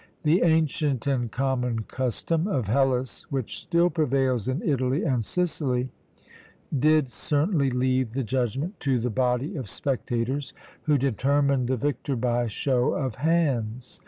The ancient and common custom of Hellas, which still prevails in Italy and Sicily, did certainly leave the judgment to the body of spectators, who determined the victor by show of hands.